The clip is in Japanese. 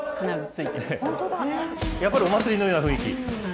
やっぱりお祭りのような雰囲気。